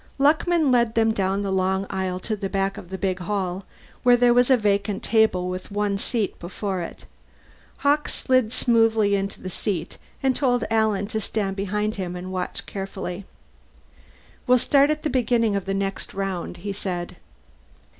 Luckman led them down the long aisle to the back of the big hall, where there was a vacant table with one seat before it. Hawkes slid smoothly into the seat and told Alan to stand behind him and watch carefully. "We'll start at the beginning of the next round," he said.